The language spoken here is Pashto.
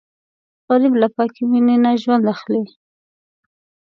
غریب له پاکې مینې نه ژوند اخلي